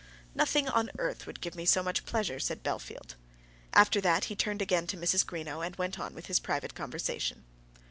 "Nothing on earth would give me so much pleasure," said Bellfield. After that he turned again to Mrs. Greenow and went on with his private conversation.